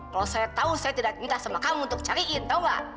kalau saya tahu saya tidak minta sama kamu untuk cariin tau gak